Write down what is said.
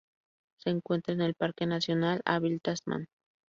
Se encuentra en el Parque nacional Abel Tasman.